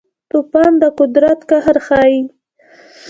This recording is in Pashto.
طوفان د قدرت قهر ښيي.